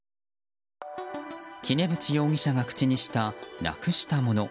杵渕容疑者が口にしたなくしたもの。